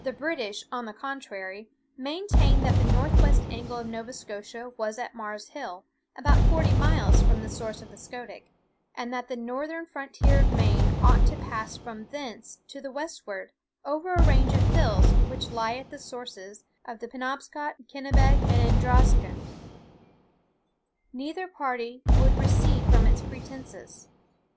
"The British, on the contrary, maintained that the north west angle of Nova Scotia was at Mars Hill, about forty miles from the source of the Scoodic; and that the northern frontier of Maine ought to pass from thence to the westward over a range of hills which lie at the sources of the Penobscot, Kennebec, and Androscoggin. Neither party would recede from its pretensions.